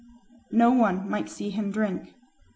No one might see him drink.